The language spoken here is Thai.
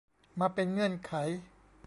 มาเป็นเงื่อนไข